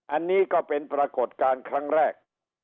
อันนี้ก็เป็นปรากฏการณ์ครั้งแรก